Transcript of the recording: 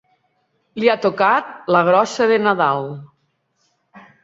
Li ha tocat la grossa de Nadal.